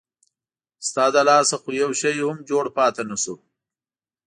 ستا له لاسه خو یو شی هم جوړ پاتې نه شو.